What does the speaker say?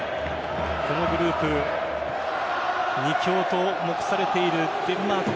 このグループ２強と目されているデンマーク